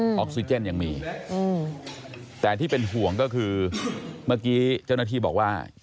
ออกซิเจนยังมีแต่ที่เป็นห่วงก็คือเมื่อกี้เจ้าหน้าที่บอกว่า